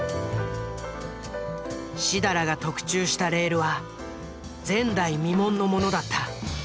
設楽が特注したレールは前代未聞のものだった。